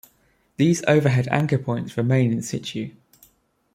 These overhead anchor points remain in situ.